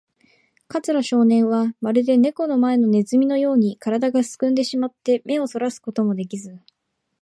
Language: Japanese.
桂少年は、まるでネコの前のネズミのように、からだがすくんでしまって、目をそらすこともできず、